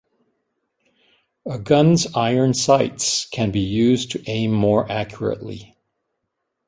A gun's iron sights can be used to aim more accurately.